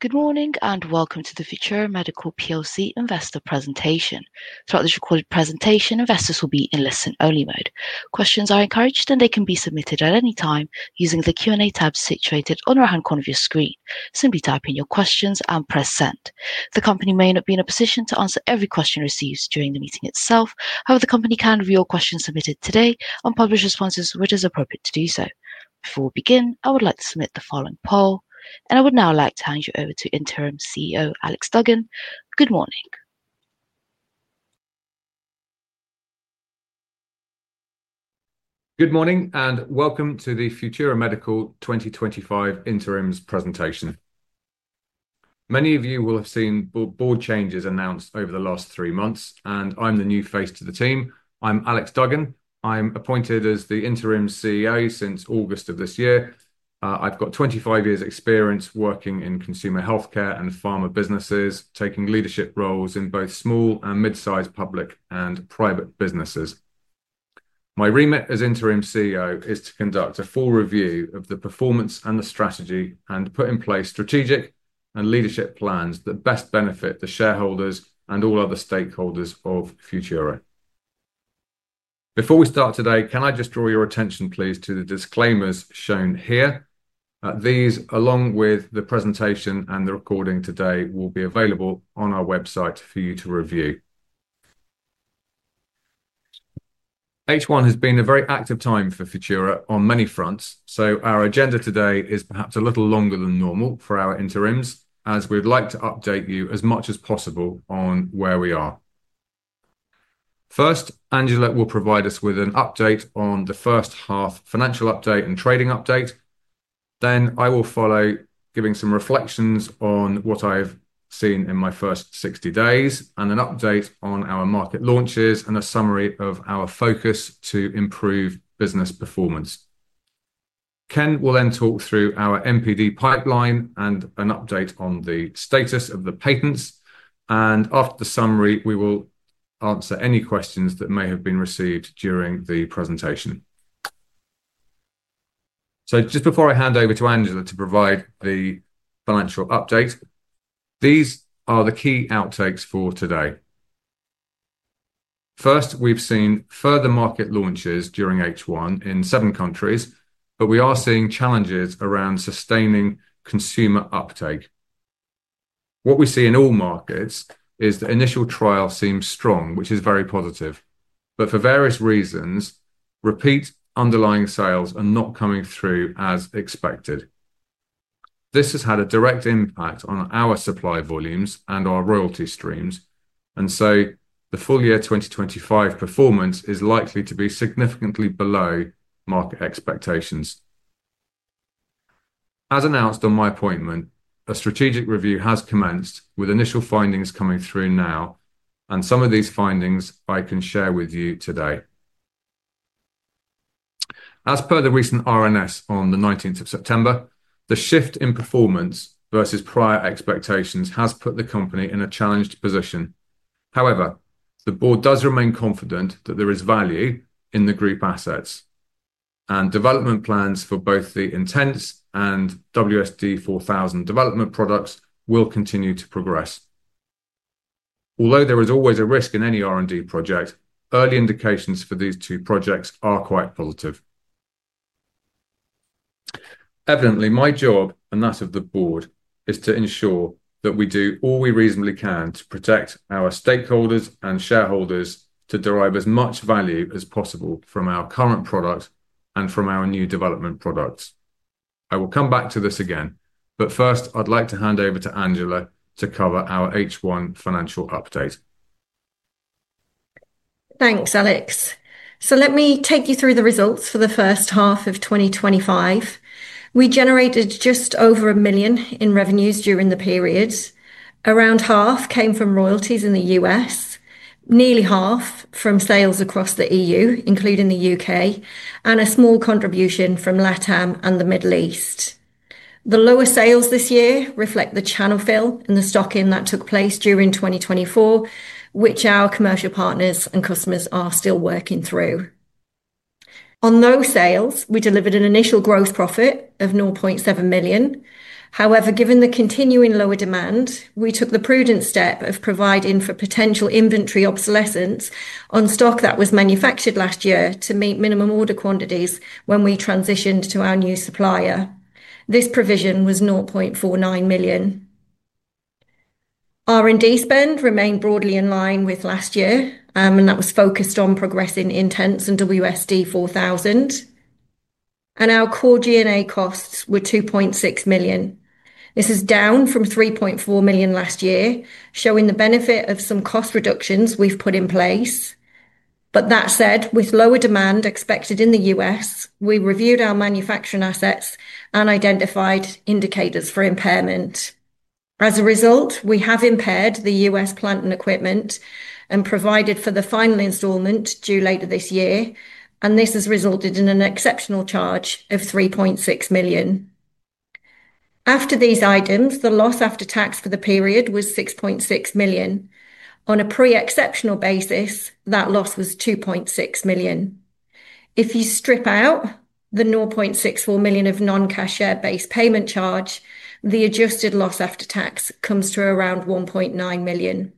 Good morning and welcome to the Futura Medical Plc Investor Presentation. Throughout this recorded presentation, investors will be in listen-only mode. Questions are encouraged and they can be submitted at any time using the Q&A tab situated on the right-hand corner of your screen. Simply type in your questions and press send. The company may not be in a position to answer every question received during the meeting itself. However, the company can review your questions submitted today and publish responses when it is appropriate to do so. Before we begin, I would like to submit the following poll, and I would now like to hand you over to Interim CEO Alex Duggan. Good morning. Good morning and welcome to the Futura Medical 2025 Interims Presentation. Many of you will have seen board changes announced over the last three months, and I'm the new face to the team. I'm Alex Duggan. I'm appointed as the Interim CEO since August of this year. I've got 25 years of experience working in consumer healthcare and pharma businesses, taking leadership roles in both small and mid-sized public and private businesses. My remit as Interim CEO is to conduct a full review of the performance and the strategy and put in place strategic and leadership plans that best benefit the shareholders and all other stakeholders of Futura. Before we start today, can I just draw your attention, please, to the disclaimers shown here? These, along with the presentation and the recording today, will be available on our website for you to review. H1 has been a very active time for Futura on many fronts, so our agenda today is perhaps a little longer than normal for our interims, as we'd like to update you as much as possible on where we are. First, Angela will provide us with an update on the first half financial update and trading update. I will follow, giving some reflections on what I've seen in my first 60 days, and an update on our market launches and a summary of our focus to improve business performance. Ken will then talk through our MPD pipeline and an update on the status of the patents, and after the summary, we will answer any questions that may have been received during the presentation. Just before I hand over to Angela to provide the financial update, these are the key outtakes for today. First, we've seen further market launches during H1 in seven countries, but we are seeing challenges around sustaining consumer uptake. What we see in all markets is the initial trial seems strong, which is very positive, but for various reasons, repeat underlying sales are not coming through as expected. This has had a direct impact on our supply volumes and our royalty streams, and the full year 2025 performance is likely to be significantly below market expectations. As announced on my appointment, a strategic review has commenced with initial findings coming through now, and some of these findings I can share with you today. As per the recent RNS on the 19th of September, the shift in performance versus prior expectations has put the company in a challenged position. However, the board does remain confident that there is value in the group assets, and development plans for both the Intense and WSD4000 development products will continue to progress. Although there is always a risk in any R&D project, early indications for these two projects are quite positive. Evidently, my job, and that of the board, is to ensure that we do all we reasonably can to protect our stakeholders and shareholders to derive as much value as possible from our current products and from our new development products. I will come back to this again, but first I'd like to hand over to Angela to cover our H1 financial update. Thanks, Alex. Let me take you through the results for the first half of 2025. We generated just over 1 million in revenues during the period. Around half came from royalties in the U.S., nearly half from sales across Europe, including the U.K., and a small contribution from LatAm and the Middle East. The lower sales this year reflect the channel fill and the stock-in that took place during 2024, which our commercial partners and customers are still working through. On those sales, we delivered an initial gross profit of 0.7 million. However, given the continuing lower demand, we took the prudent step of providing for potential inventory obsolescence on stock that was manufactured last year to meet minimum order quantities when we transitioned to our new supplier. This provision was 0.49 million. R&D spend remained broadly in line with last year, and that was focused on progressing Intense and WSD4000. Our core G&A costs were 2.6 million. This is down from 3.4 million last year, showing the benefit of some cost reductions we've put in place. With lower demand expected in the U.S., we reviewed our manufacturing assets and identified indicators for impairment. As a result, we have impaired the U.S. plant and equipment and provided for the final installment due later this year, and this has resulted in an exceptional charge of 3.6 million. After these items, the loss after tax for the period was 6.6 million. On a pre-exceptional basis, that loss was 2.6 million. If you strip out the 0.64 million of non-cash share-based payment charge, the adjusted loss after tax comes to around 1.9 million.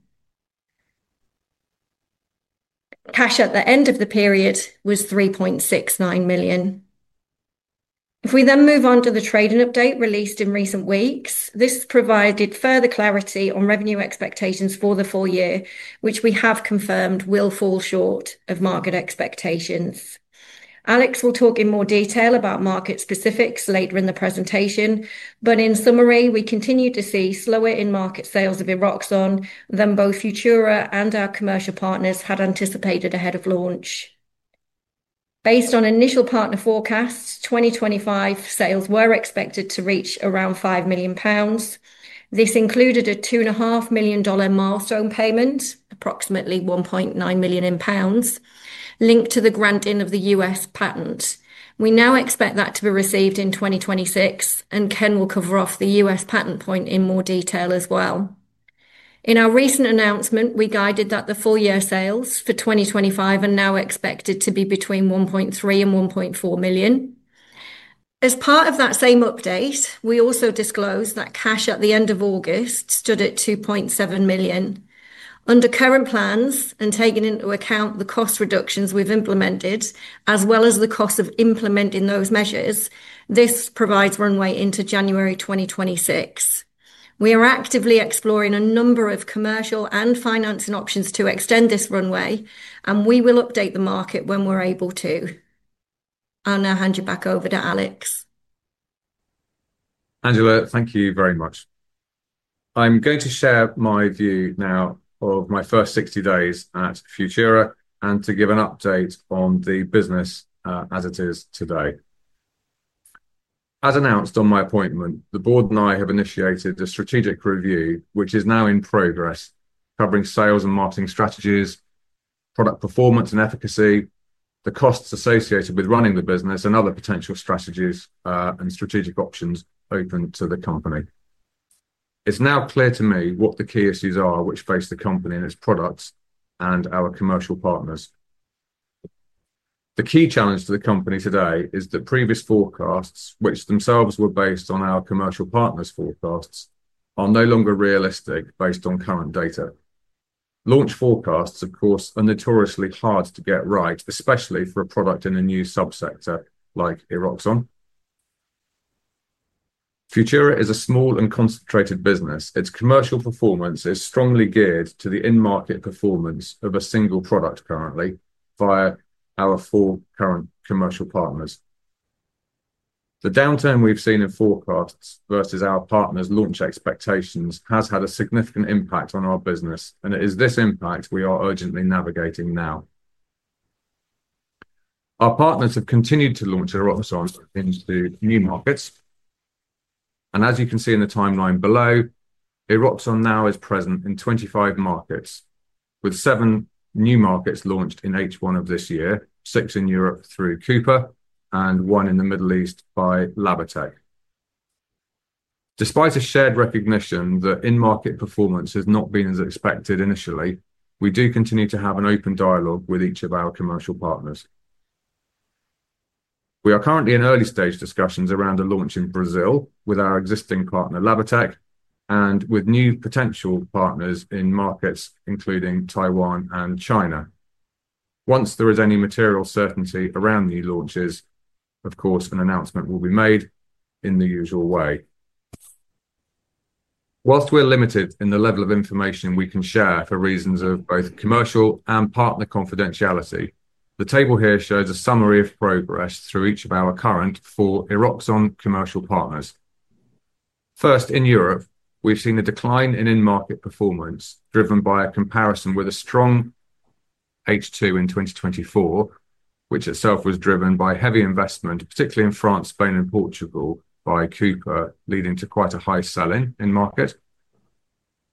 Cash at the end of the period was 3.69 million. If we then move on to the trading update released in recent weeks, this provided further clarity on revenue expectations for the full year, which we have confirmed will fall short of market expectations. Alex will talk in more detail about market specifics later in the presentation, but in summary, we continue to see slower in-market sales of Eroxon than both Futura and our commercial partners had anticipated ahead of launch. Based on initial partner forecasts, 2025 sales were expected to reach around 5 million pounds. This included a $2.5 million milestone payment, approximately 1.9 million pounds, linked to the granting of the U.S. patent. We now expect that to be received in 2026, and Ken will cover off the U.S. patent point in more detail as well. In our recent announcement, we guided that the full year sales for 2025 are now expected to be between 1.3 million and 1.4 million. As part of that same update, we also disclosed that cash at the end of August stood at 2.7 million. Under current plans and taking into account the cost reductions we've implemented, as well as the cost of implementing those measures, this provides runway into January 2026. We are actively exploring a number of commercial and financing options to extend this runway, and we will update the market when we're able to. I'll now hand you back over to Alex. Angela, thank you very much. I'm going to share my view now of my first 60 days at Futura and to give an update on the business as it is today. As announced on my appointment, the Board and I have initiated a strategic and performance review, which is now in progress, covering sales and marketing strategies, product performance and efficacy, the costs associated with running the business, and other potential strategies and strategic options open to the company. It's now clear to me what the key issues are which face the company and its products and our commercial partners. The key challenge for the company today is that previous forecasts, which themselves were based on our commercial partners' forecasts, are no longer realistic based on current data. Launch forecasts are, of course, notoriously hard to get right, especially for a product in a new subsector like Eroxon. Futura is a small and concentrated business. Its commercial performance is strongly geared to the in-market performance of a single product currently via our four current commercial partners. The downturn we've seen in forecasts versus our partners' launch expectations has had a significant impact on our business, and it is this impact we are urgently navigating now. Our partners have continued to launch Eroxon into new markets, and as you can see in the timeline below, Eroxon now is present in 25 markets, with seven new markets launched in H1 of this year, six in Europe through Cooper and one in the Middle East by Labatec. Despite a shared recognition that in-market performance has not been as expected initially, we do continue to have an open dialogue with each of our commercial partners. We are currently in early-stage discussions around a launch in Brazil with our existing partner Labatec and with new potential partners in markets including Taiwan and China. Once there is any material certainty around new launches, of course, an announcement will be made in the usual way. Whilst we're limited in the level of information we can share for reasons of both commercial and partner confidentiality, the table here shows a summary of progress through each of our current four Eroxon commercial partners. First, in Europe, we've seen a decline in in-market performance driven by a comparison with a strong H2 in 2024, which itself was driven by heavy investment, particularly in France, Spain, and Portugal by Cooper, leading to quite a high selling in market.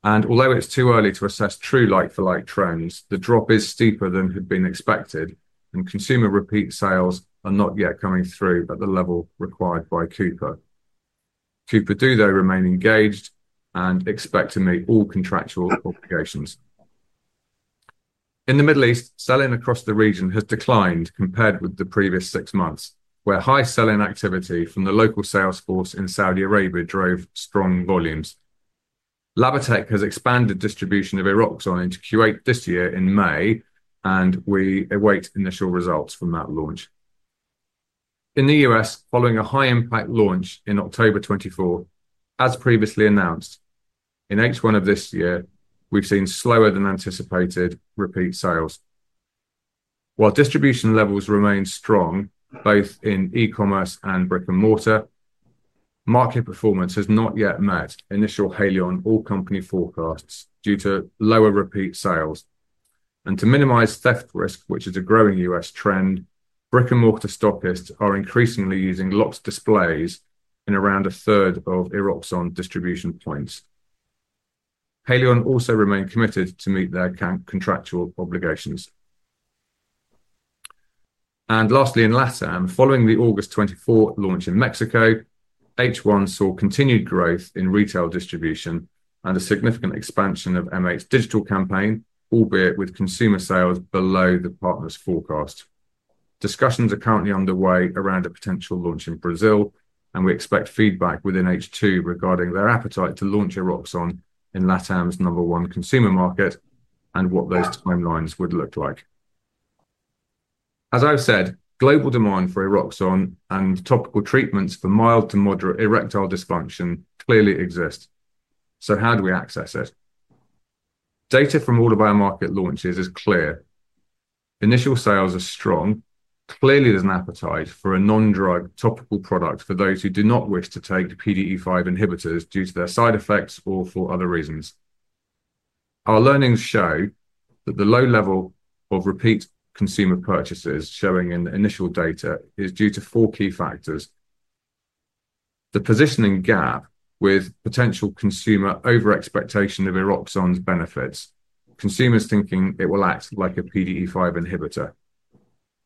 Although it's too early to assess true like-for-like trends, the drop is steeper than had been expected, and consumer repeat sales are not yet coming through at the level required by Cooper. Cooper do, though, remain engaged and expect to meet all contractual obligations. In the Middle East, selling across the region has declined compared with the previous six months, where high selling activity from the local sales force in Saudi Arabia drove strong volumes. Labatec has expanded distribution of Eroxon into Kuwait this year in May, and we await initial results from that launch. In the U.S., following a high-impact launch in October 2024, as previously announced, in H1 of this year, we've seen slower than anticipated repeat sales. While distribution levels remain strong, both in e-commerce and brick-and-mortar, market performance has not yet met initial Haleon all-company forecasts due to lower repeat sales. To minimize theft risk, which is a growing U.S. trend, brick-and-mortar stockists are increasingly using locked displays in around a third of Eroxon distribution points. Haleon also remain committed to meet their contractual obligations. Lastly, in LatAm, following the August 2024 launch in Mexico, H1 saw continued growth in retail distribution and a significant expansion of MH's digital campaign, albeit with consumer sales below the partners' forecast. Discussions are currently underway around a potential launch in Brazil, and we expect feedback within H2 regarding their appetite to launch Eroxon in LatAm's number one consumer market and what those timelines would look like. As I've said, global demand for Eroxon and topical treatments for mild to moderate erectile dysfunction clearly exist. How do we access it? Data from all of our market launches is clear. Initial sales are strong. Clearly, there's an appetite for a non-drug topical product for those who do not wish to take the PDE5 inhibitors due to their side effects or for other reasons. Our learnings show that the low level of repeat consumer purchases showing in the initial data is due to four key factors: the positioning gap with potential consumer over-expectation of Eroxon's benefits, consumers thinking it will act like a PDE5 inhibitor,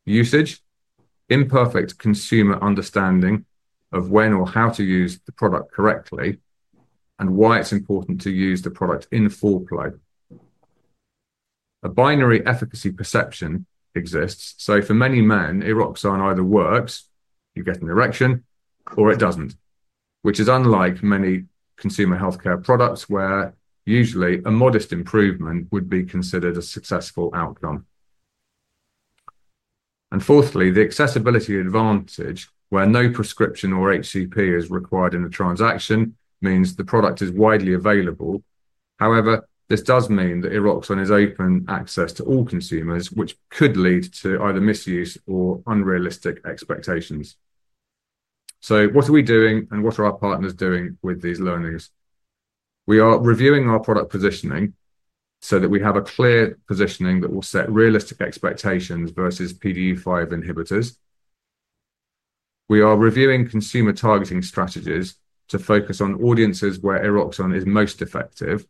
usage, imperfect consumer understanding of when or how to use the product correctly, and why it's important to use the product in foreplay. A binary efficacy perception exists, so for many men, Eroxon either works, you get an erection, or it doesn't, which is unlike many consumer healthcare products where usually a modest improvement would be considered a successful outcome. Fourthly, the accessibility advantage where no prescription or HCP is required in the transaction means the product is widely available. However, this does mean that Eroxon is open access to all consumers, which could lead to either misuse or unrealistic expectations. What are we doing and what are our partners doing with these learnings? We are reviewing our product positioning so that we have a clear positioning that will set realistic expectations versus PDE5 inhibitors. We are reviewing consumer targeting strategies to focus on audiences where Eroxon is most effective.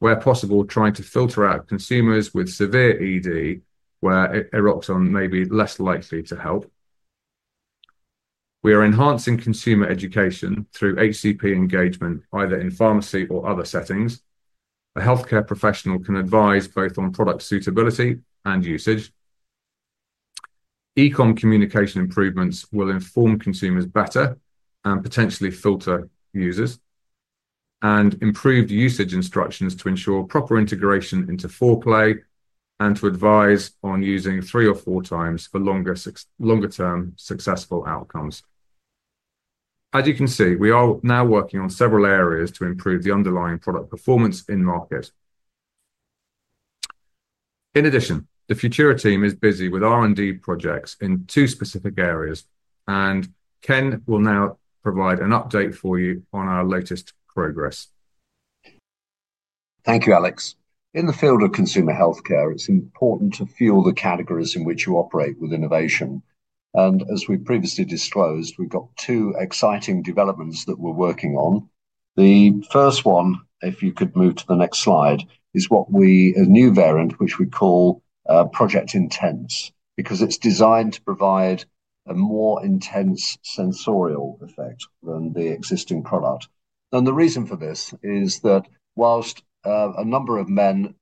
Where possible, trying to filter out consumers with severe ED where Eroxon may be less likely to help. We are enhancing consumer education through HCP engagement, either in pharmacy or other settings. A healthcare professional can advise both on product suitability and usage. E-communication improvements will inform consumers better and potentially filter users. Improved usage instructions to ensure proper integration into foreplay and to advise on using three or four times for longer-term successful outcomes. As you can see, we are now working on several areas to improve the underlying product performance in market. In addition, the Futura team is busy with R&D projects in two specific areas, and Ken will now provide an update for you on our latest progress. Thank you, Alex. In the field of consumer healthcare, it's important to fuel the categories in which you operate with innovation. As we previously disclosed, we've got two exciting developments that we're working on. The first one, if you could move to the next slide, is a new variant, which we call Project Intense, because it's designed to provide a more intense sensorial effect than the existing product. The reason for this is that whilst a number of men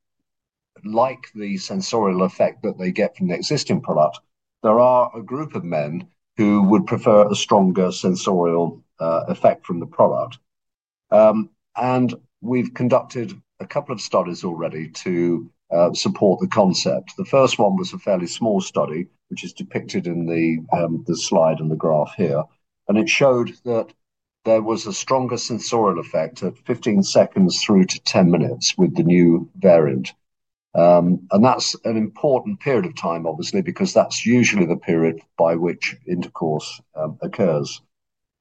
like the sensorial effect that they get from the existing product, there are a group of men who would prefer a stronger sensorial effect from the product. We've conducted a couple of studies already to support the concept. The first one was a fairly small study, which is depicted in the slide and the graph here. It showed that there was a stronger sensorial effect of 15 seconds through to 10 minutes with the new variant. That is an important period of time, obviously, because that is usually the period by which intercourse occurs.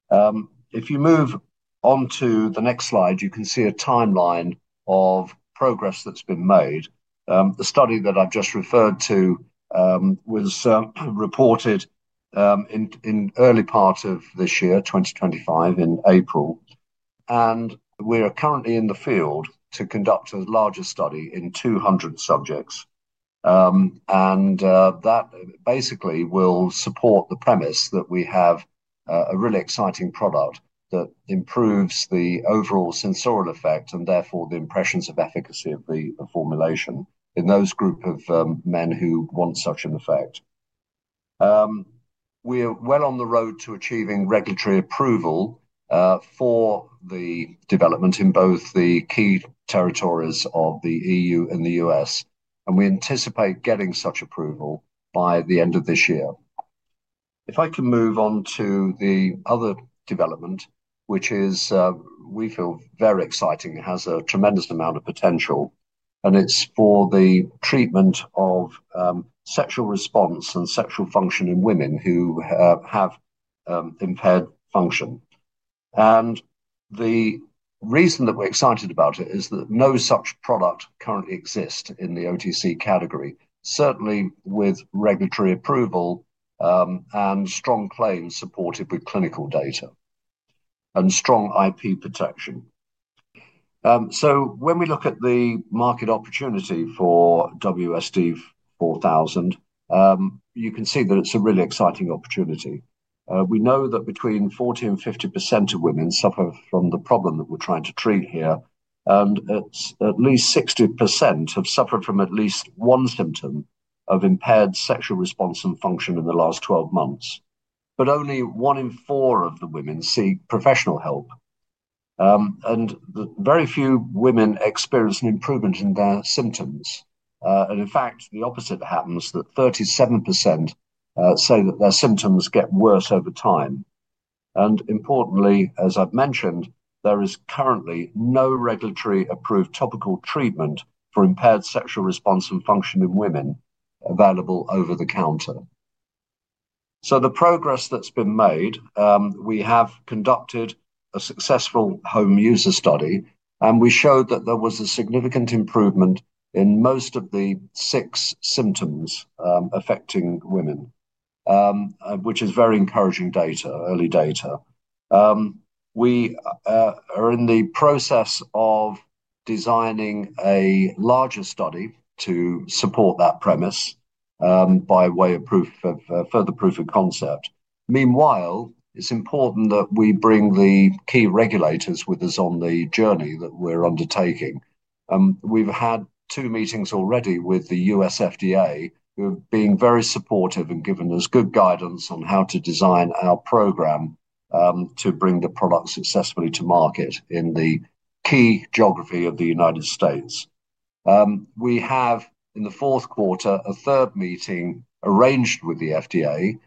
If you move on to the next slide, you can see a timeline of progress that has been made. The study that I have just referred to was reported in the early part of this year, 2025, in April. We are currently in the field to conduct a larger study in 200 subjects. That basically will support the premise that we have a really exciting product that improves the overall sensorial effect and therefore the impressions of efficacy of the formulation in those groups of men who want such an effect. We are well on the road to achieving regulatory approval for the development in both the key territories of the EU and the U.S. We anticipate getting such approval by the end of this year. If I can move on to the other development, which we feel is very exciting, it has a tremendous amount of potential. It is for the treatment of sexual response and sexual function in women who have impaired function. The reason that we are excited about it is that no such product currently exists in the OTC category, certainly with regulatory approval and strong claims supported with clinical data and strong IP protection. When we look at the market opportunity for WSD4000, you can see that it is a really exciting opportunity. We know that between 40% and 50% of women suffer from the problem that we are trying to treat here, and at least 60% have suffered from at least one symptom of impaired sexual response and function in the last 12 months. Only one in four of the women seek professional help. Very few women experience an improvement in their symptoms. In fact, the opposite happens, as 37% say that their symptoms get worse over time. Importantly, as I have mentioned, there is currently no regulatory-approved topical treatment for impaired sexual response and function in women available over the counter. The progress that has been made, we have conducted a successful home user study, and we showed that there was a significant improvement in most of the six symptoms affecting women, which is very encouraging data, early data. We are in the process of designing a larger study to support that premise by way of further proof of concept. Meanwhile, it's important that we bring the key regulators with us on the journey that we're undertaking. We've had two meetings already with the U.S. FDA, who have been very supportive and given us good guidance on how to design our program to bring the product successfully to market in the key geography of the United States. We have, in the fourth quarter, a third meeting arranged with the FDA,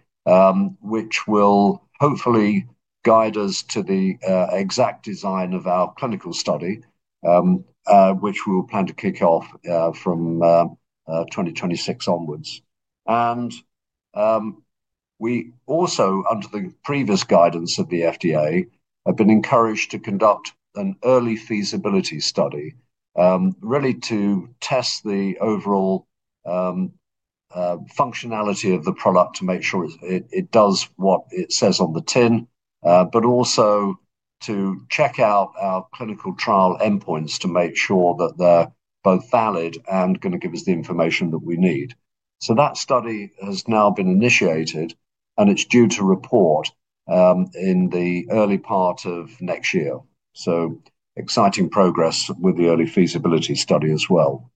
which will hopefully guide us to the exact design of our clinical study, which we will plan to kick off from 2026 onwards. We also, under the previous guidance of the FDA, have been encouraged to conduct an early feasibility study, really to test the overall functionality of the product to make sure it does what it says on the tin, but also to check out our clinical trial endpoints to make sure that they're both valid and going to give us the information that we need. That study has now been initiated, and it's due to report in the early part of next year. Exciting progress with the early feasibility study as well.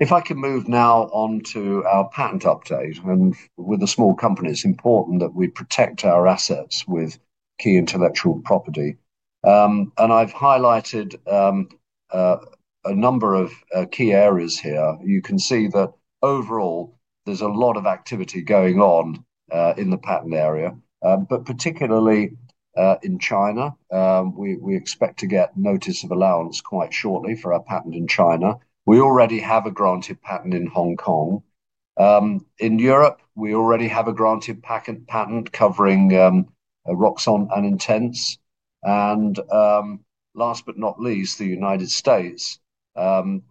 If I can move now on to our patent update, with a small company, it's important that we protect our assets with key intellectual property. I've highlighted a number of key areas here. You can see that overall, there's a lot of activity going on in the patent area, particularly in China. We expect to get notice of allowance quite shortly for our patent in China. We already have a granted patent in Hong Kong. In Europe, we already have a granted patent covering Eroxon and Intense. Last but not least, in the United States,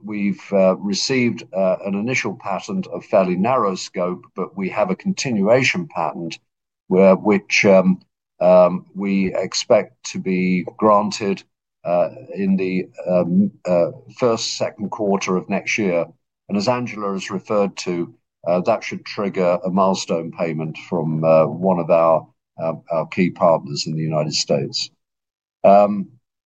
we've received an initial patent of fairly narrow scope, but we have a continuation patent which we expect to be granted in the first, second quarter of next year. As Angela has referred to, that should trigger a milestone payment from one of our key partners in the United States.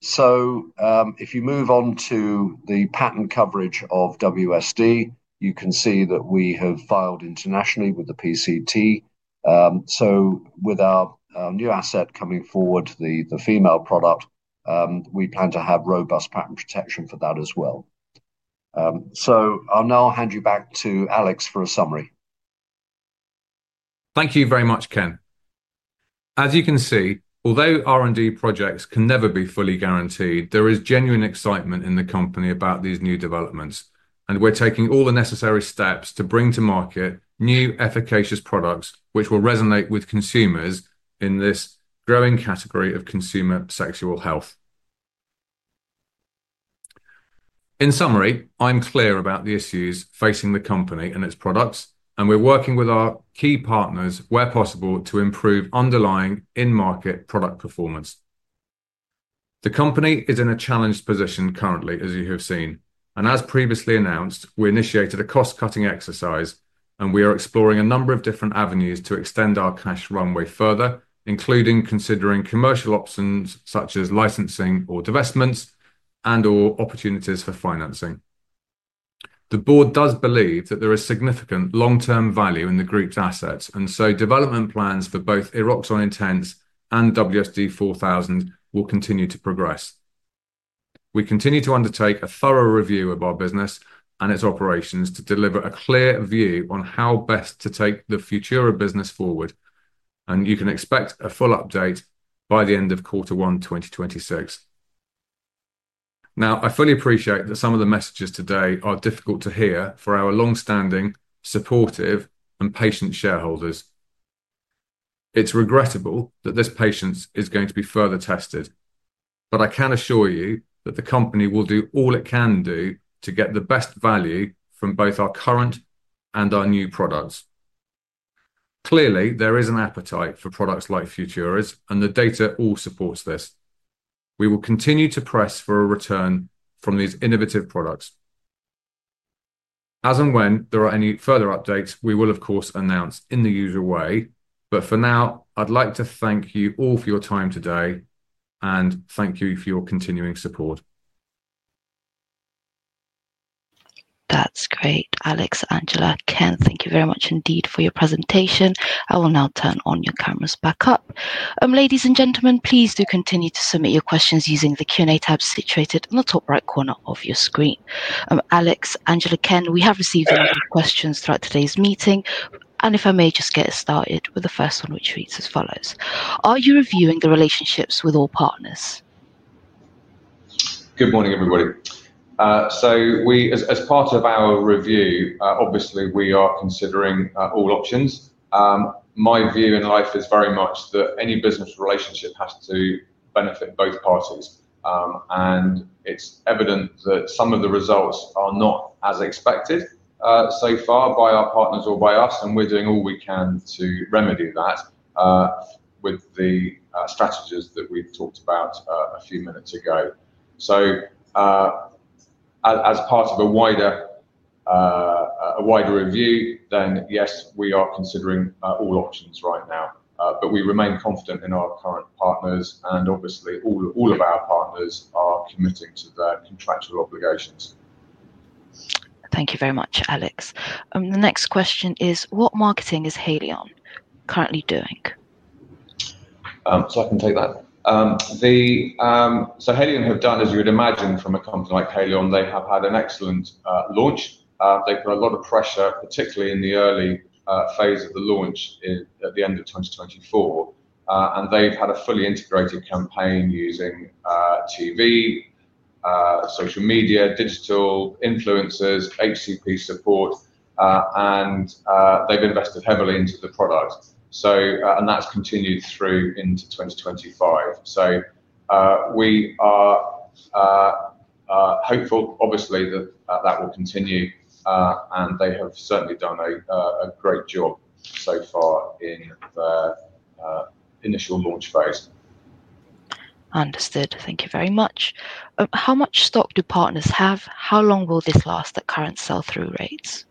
If you move on to the patent coverage of WSD, you can see that we have filed internationally with the PCT. With our new asset coming forward, the female product, we plan to have robust patent protection for that as well. I'll now hand you back to Alex for a summary. Thank you very much, Ken. As you can see, although R&D projects can never be fully guaranteed, there is genuine excitement in the company about these new developments. We're taking all the necessary steps to bring to market new efficacious products which will resonate with consumers in this growing category of consumer sexual health. In summary, I'm clear about the issues facing the company and its products, and we're working with our key partners where possible to improve underlying in-market product performance. The company is in a challenged position currently, as you have seen. As previously announced, we initiated a cost-cutting exercise, and we are exploring a number of different avenues to extend our cash runway further, including considering commercial options such as licensing or divestments and/or opportunities for financing. The Board does believe that there is significant long-term value in the group's assets, and so development plans for both Eroxon Intense and WSD4000 will continue to progress. We continue to undertake a thorough review of our business and its operations to deliver a clear view on how best to take the Futura business forward. You can expect a full update by the end of quarter one, 2026. I fully appreciate that some of the messages today are difficult to hear for our long-standing, supportive, and patient shareholders. It's regrettable that this patience is going to be further tested. I can assure you that the company will do all it can do to get the best value from both our current and our new products. Clearly, there is an appetite for products like Futura's, and the data all supports this. We will continue to press for a return from these innovative products. As and when there are any further updates, we will, of course, announce in the usual way. For now, I'd like to thank you all for your time today and thank you for your continuing support. That's great, Alex, Angela, Ken. Thank you very much indeed for your presentation. I will now turn your cameras back up. Ladies and gentlemen, please do continue to submit your questions using the Q&A tab situated in the top right corner of your screen. Alex, Angela, Ken, we have received a lot of questions throughout today's meeting. If I may just get started with the first one, which reads as follows. Are you reviewing the relationships with all partners? Good morning, everybody. As part of our review, obviously, we are considering all options. My view in life is very much that any business relationship has to benefit both parties. It's evident that some of the results are not as expected so far by our partners or by us, and we're doing all we can to remedy that with the strategies that we've talked about a few minutes ago. As part of a wider review, then yes, we are considering all options right now. We remain confident in our current partners, and obviously, all of our partners are committing to their contractual obligations. Thank you very much, Alex. The next question is, what marketing is Haleon currently doing? Haleon have done, as you would imagine from a company like Haleon, they have had an excellent launch. They put a lot of pressure, particularly in the early phase of the launch at the end of 2024. They've had a fully integrated campaign using TV, social media, digital influencers, HCP support, and they've invested heavily into the product. That has continued through into 2025. We are hopeful, obviously, that that will continue. They have certainly done a great job so far in their initial launch phase. Understood. Thank you very much. How much stock do partners have? How long will this last at current sell-through rates?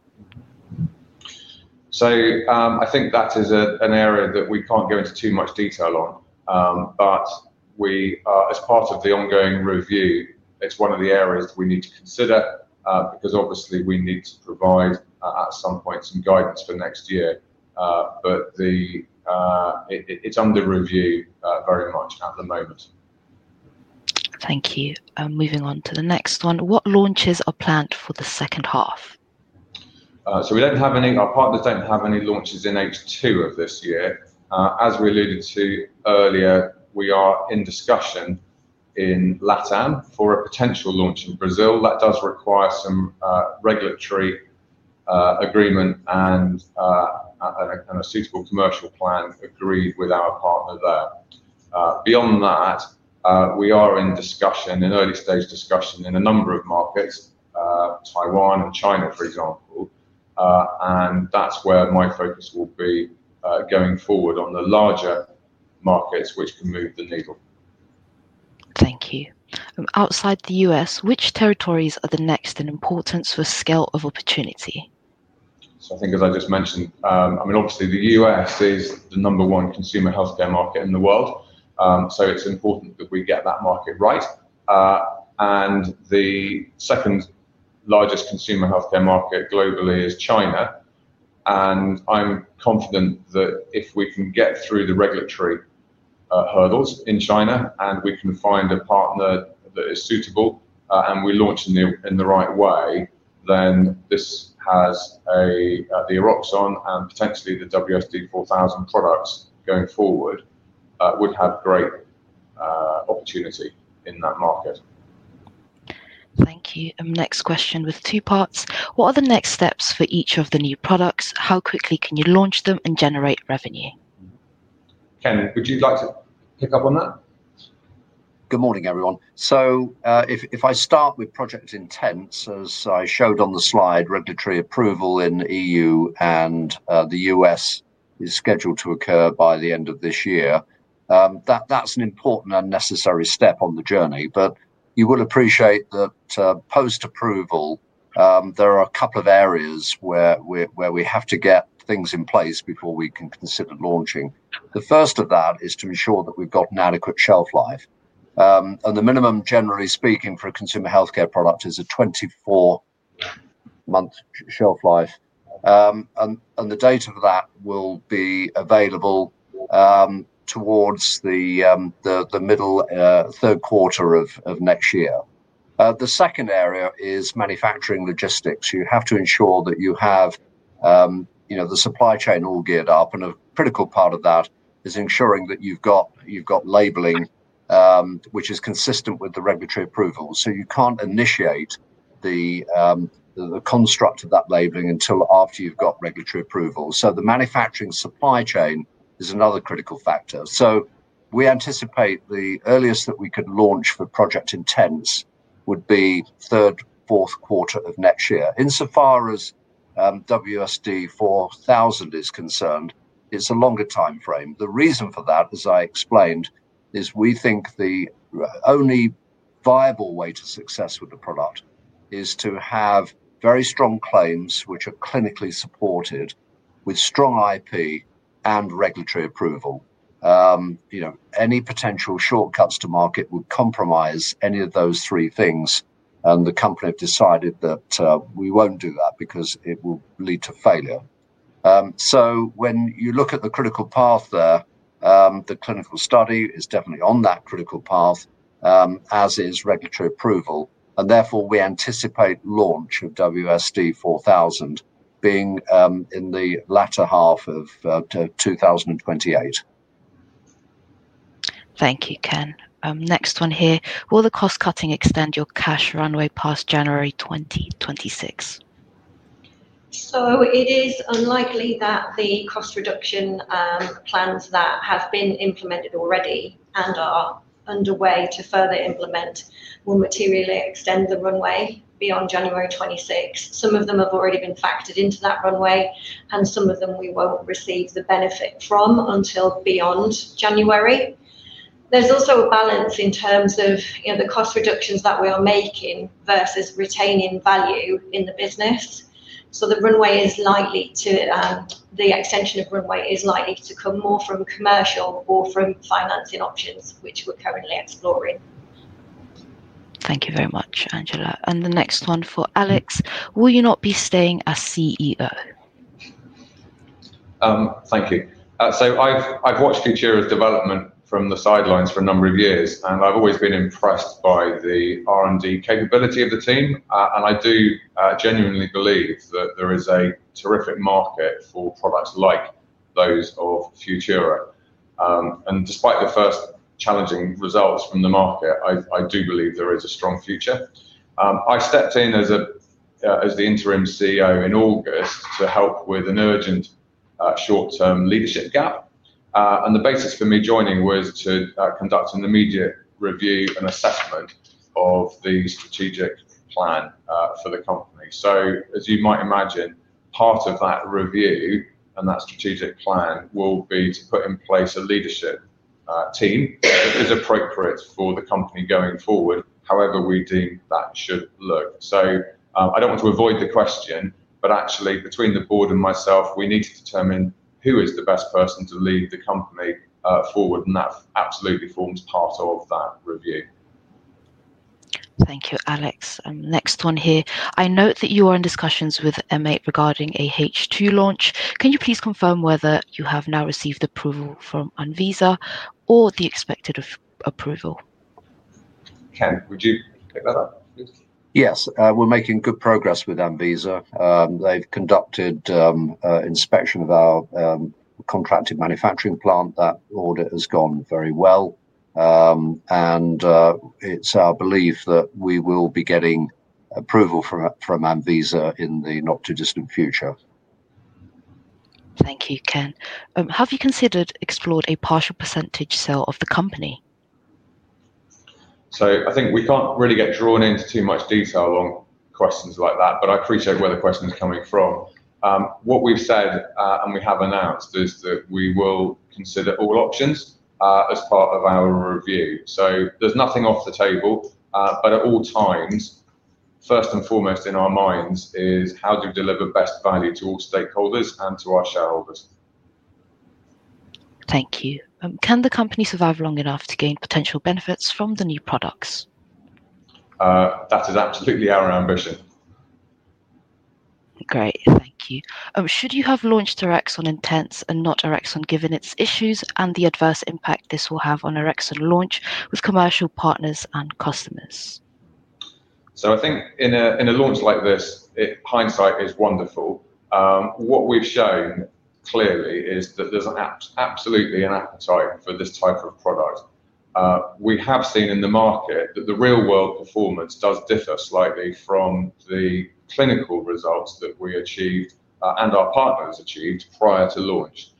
That is an area that we can't go into too much detail on. As part of the ongoing review, it's one of the areas that we need to consider because, obviously, we need to provide, at some point, some guidance for next year. It's under review very much at the moment. Thank you. Moving on to the next one. What launches are planned for the second half? We don't have any, our partners don't have any launches in H2 of this year. As we alluded to earlier, we are in discussion in LatAm for a potential launch in Brazil. That does require some regulatory agreement and a suitable commercial plan agreed with our partner there. Beyond that, we are in discussion, in early-stage discussion in a number of markets, Taiwan and China, for example. That's where my focus will be going forward on the larger markets which can move the needle. Thank you. Outside the U.S., which territories are the next in importance for scale of opportunity? I think, as I just mentioned, obviously, the U.S. is the number one consumer healthcare market in the world. It's important that we get that market right. The second largest consumer healthcare market globally is China. I'm confident that if we can get through the regulatory hurdles in China and we can find a partner that is suitable and we launch in the right way, then this has the Eroxon and potentially the WSD4000 products going forward would have great opportunity in that market. Thank you. Next question with two parts. What are the next steps for each of the new products? How quickly can you launch them and generate revenue? Ken, would you like to pick up on that? Good morning, everyone. If I start with Project Intense, as I showed on the slide, regulatory approval in the EU and the U.S. is scheduled to occur by the end of this year. That's an important and necessary step on the journey. You will appreciate that post-approval, there are a couple of areas where we have to get things in place before we can consider launching. The first of that is to ensure that we've got an adequate shelf life. The minimum, generally speaking, for a consumer healthcare product is a 24-month shelf life. The date of that will be available towards the middle third quarter of next year. The second area is manufacturing logistics. You have to ensure that you have the supply chain all geared up. A critical part of that is ensuring that you've got labeling, which is consistent with the regulatory approval. You can't initiate the construct of that labeling until after you've got regulatory approval. The manufacturing supply chain is another critical factor. We anticipate the earliest that we could launch for Project Intense would be third, fourth quarter of next year. Insofar as WSD4000 is concerned, it's a longer timeframe. The reason for that, as I explained, is we think the only viable way to success with the product is to have very strong claims which are clinically supported with strong IP and regulatory approval. Any potential shortcuts to market would compromise any of those three things. The company has decided that we won't do that because it will lead to failure. When you look at the critical path there, the clinical study is definitely on that critical path, as is regulatory approval. We anticipate launch of WSD4000 being in the latter half of 2028. Thank you, Ken. Next one here. Will the cost cutting extend your cash runway past January 2026? It is unlikely that the cost reduction plans that have been implemented already and are underway to further implement will materially extend the runway beyond January 2026. Some of them have already been factored into that runway, and some of them we won't receive the benefit from until beyond January. There's also a balance in terms of the cost reductions that we are making versus retaining value in the business. The runway is likely to, the extension of runway is likely to come more from commercial or from financing options, which we're currently exploring. Thank you very much, Angela. The next one for Alex. Will you not be staying as CEO? Thank you. I've watched Futura's development from the sidelines for a number of years, and I've always been impressed by the R&D capability of the team. I do genuinely believe that there is a terrific market for products like those of Futura. Despite the first challenging results from the market, I do believe there is a strong future. I stepped in as the Interim CEO in August to help with an urgent short-term leadership gap. The basis for me joining was to conduct an immediate review and assessment of the strategic plan for the company. As you might imagine, part of that review and that strategic plan will be to put in place a leadership team that is appropriate for the company going forward, however we deem that should look. I don't want to avoid the question, but actually, between the board and myself, we need to determine who is the best person to lead the company forward, and that absolutely forms part of that review. Thank you, Alex. Next one here. I note that you are in discussions with MH regarding a H2 launch. Can you please confirm whether you have now received approval from Anvisa or the expected approval? Ken, would you pick that up? Yes. We're making good progress with Anvisa. They've conducted an inspection of our contracted manufacturing plant. That audit has gone very well. It is our belief that we will be getting approval from Anvisa in the not-too-distant future. Thank you, Ken. Have you considered exploring a partial percentage sale of the company? I think we can't really get drawn into too much detail on questions like that, but I appreciate where the question is coming from. What we've said, and we have announced, is that we will consider all options as part of our review. There's nothing off the table. At all times, first and foremost in our minds is how to deliver best value to all stakeholders and to our shareholders. Thank you. Can the company survive long enough to gain potential benefits from the new products? That is absolutely our ambition. Great. Thank you. Should you have launched Eroxon Intense and not Eroxon given its issues and the adverse impact this will have on Eroxon launch with commercial partners and customers? I think in a launch like this, hindsight is wonderful. What we've shown clearly is that there's absolutely an appetite for this type of product. We have seen in the market that the real-world performance does differ slightly from the clinical results that we achieved and our partners achieved prior to launch.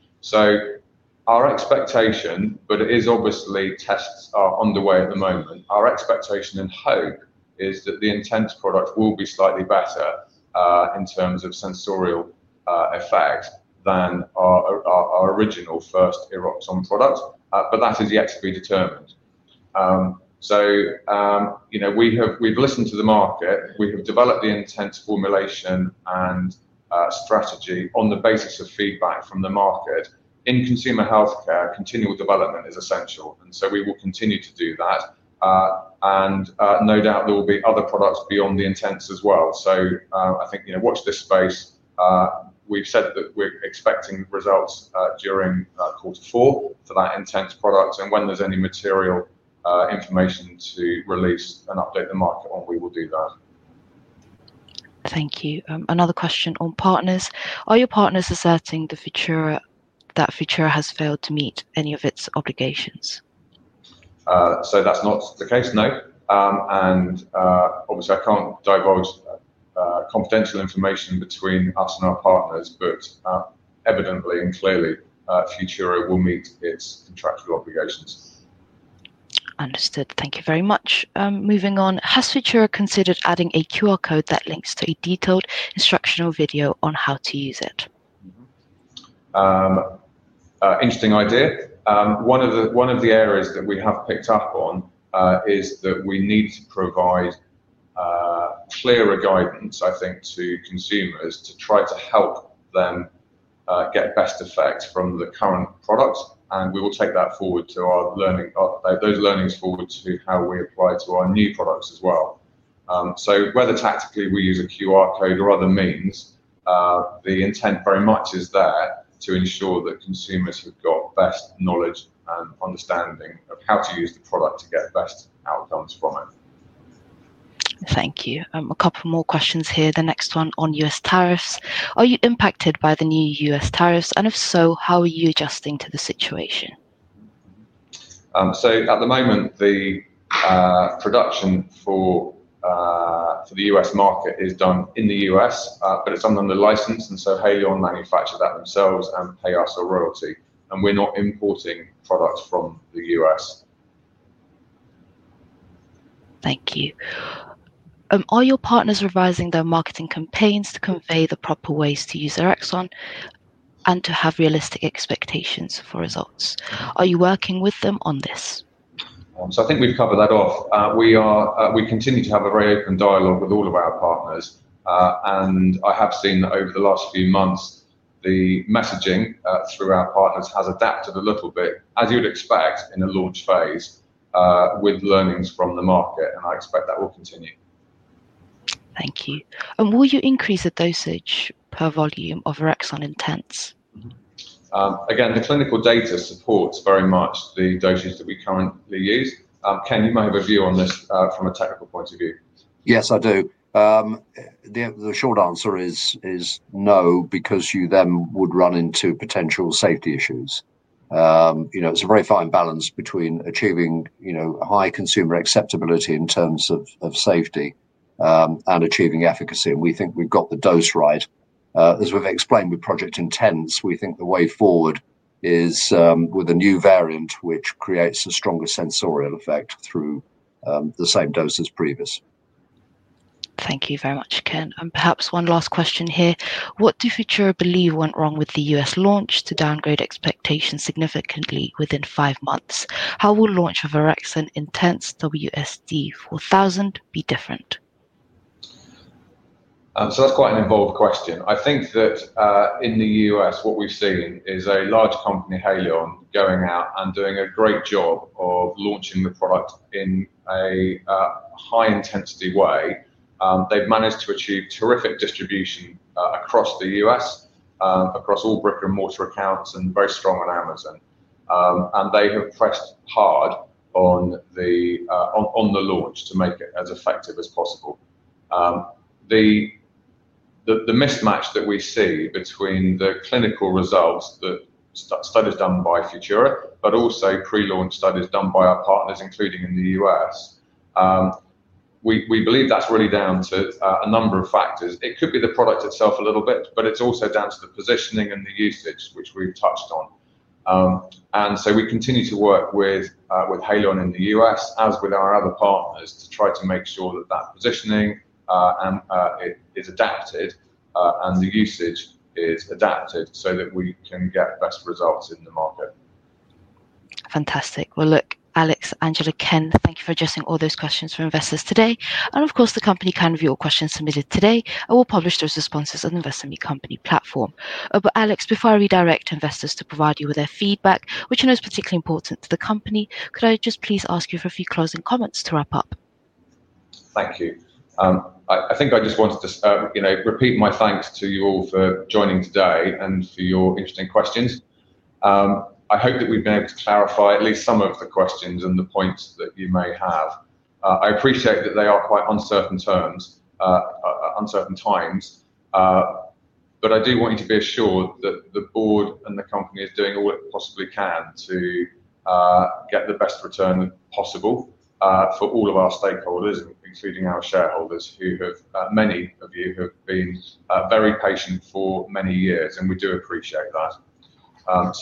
Our expectation, but it is obviously tests are underway at the moment, our expectation and hope is that the Intense product will be slightly better in terms of sensorial effects than our original first Eroxon product. That is yet to be determined. We've listened to the market. We have developed the Intense formulation and strategy on the basis of feedback from the market. In consumer healthcare, continual development is essential. We will continue to do that. No doubt there will be other products beyond the Intense as well. I think, you know, watch this space. We've said that we're expecting results during quarter four for that Intense product. When there's any material information to release and update the market on, we will do that. Thank you. Another question on partners. Are your partners asserting that Futura has failed to meet any of its obligations? That is not the case, no. Obviously, I can't divulge confidential information between us and our partners, but evidently and clearly, Futura will meet its contractual obligations. Understood. Thank you very much. Moving on, has Futura considered adding a QR code that links to a detailed instructional video on how to use it? Interesting idea. One of the areas that we have picked up on is that we need to provide clearer guidance, I think, to consumers to try to help them get best effects from the current products. We will take those learnings forward to how we apply to our new products as well. Whether tactically we use a QR code or other means, the intent very much is there to ensure that consumers have got best knowledge and understanding of how to use the product to get best outcomes from it. Thank you. A couple more questions here. The next one on U.S. tariffs. Are you impacted by the new U.S. tariffs? If so, how are you adjusting to the situation? At the moment, the production for the U.S. market is done in the U.S., but it's done under license. Haleon manufacture that themselves and pay us a royalty. We're not importing products from the U.S. Thank you. Are your partners revising their marketing campaigns to convey the proper ways to use Eroxon and to have realistic expectations for results? Are you working with them on this? I think we've covered that off. We continue to have a very open dialogue with all of our partners. I have seen that over the last few months, the messaging through our partners has adapted a little bit, as you'd expect in a launch phase, with learnings from the market. I expect that will continue. Thank you. Will you increase the dosage per volume of Eroxon Intense? Again, the clinical data supports very much the dosage that we currently use. Ken, you may have a view on this from a technical point of view. Yes, I do. The short answer is no because you then would run into potential safety issues. It's a very fine balance between achieving high consumer acceptability in terms of safety and achieving efficacy. We think we've got the dose right. As we've explained with Project Intense, we think the way forward is with a new variant which creates a stronger sensorial effect through the same dose as previous. Thank you very much, Ken. Perhaps one last question here. What do Futura believe went wrong with the U.S. launch to downgrade expectations significantly within five months? How will launch of Eroxon Intense and WSD4000 be different? That's quite an involved question. I think that in the U.S., what we've seen is a large company, Haleon, going out and doing a great job of launching the product in a high-intensity way. They've managed to achieve terrific distribution across the U.S., across all brick-and-mortar accounts, and very strong on Amazon. They have pressed hard on the launch to make it as effective as possible. The mismatch that we see between the clinical results that studies done by Futura, but also pre-launch studies done by our partners, including in the U.S., we believe that's really down to a number of factors. It could be the product itself a little bit, but it's also down to the positioning and the usage, which we've touched on. We continue to work with Haleon in the U.S., as with our other partners, to try to make sure that that positioning is adapted and the usage is adapted so that we can get best results in the market. Fantastic. Look, Alex, Angela, Ken, thank you for addressing all those questions from investors today. Of course, the company can review all questions submitted today and will publish those responses on the Investor Meet Company platform. Alex, before I redirect investors to provide you with their feedback, which I know is particularly important to the company, could I just please ask you for a few closing comments to wrap up? Thank you. I think I just wanted to repeat my thanks to you all for joining today and for your interesting questions. I hope that we've been able to clarify at least some of the questions and the points that you may have. I appreciate that they are quite uncertain times, but I do want you to be assured that the Board and the company are doing all it possibly can to get the best return possible for all of our stakeholders, including our shareholders, who have, many of you have been very patient for many years, and we do appreciate that.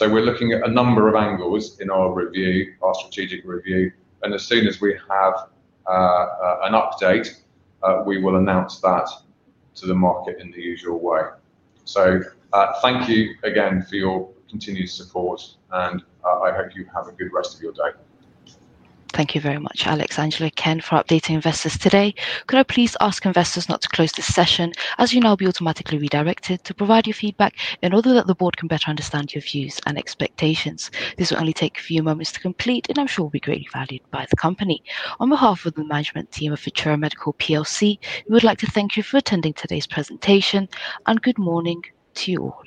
We are looking at a number of angles in our review, our strategic and performance review, and as soon as we have an update, we will announce that to the market in the usual way. Thank you again for your continued support, and I hope you have a good rest of your day. Thank you very much, Alex, Angela, Ken, for updating investors today. Could I please ask investors not to close this session? As you know, you'll be automatically redirected to provide your feedback in order that the board can better understand your views and expectations. This will only take a few moments to complete, and I'm sure it will be greatly valued by the company. On behalf of the management team of Futura Medical Plc, we would like to thank you for attending today's presentation, and good morning to you all.